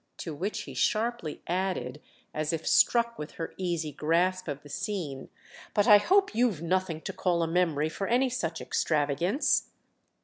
To which he sharply added, as if struck with her easy grasp of the scene: "But I hope you've nothing to call a memory for any such extravagance?"